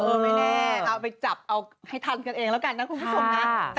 เอาไปจับเอาให้ทันกันเองแล้วกันน้ากคุณผู้ชม